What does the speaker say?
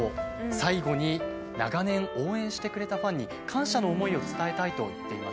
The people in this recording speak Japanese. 最後に長年応援してくれたファンに感謝の思いを伝えたいと言っていましたよね。